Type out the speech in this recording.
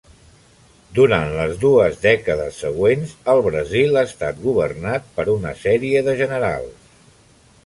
Durant les dues dècades següents, el Brasil ha estat governat per una sèrie de generals.